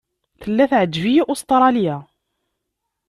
Tella teɛǧeb-iyi Ustṛalya.